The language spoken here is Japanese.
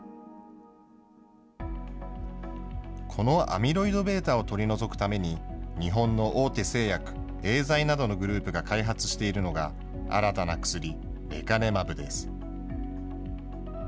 このアミロイドβを取り除くために、日本の大手製薬、エーザイなどのグループが開発しているのが、新たな薬、レカネマブです。